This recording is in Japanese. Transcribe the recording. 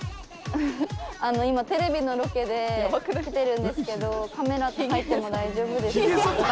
今テレビのロケで来てるんですけどカメラって入っても大丈夫ですか？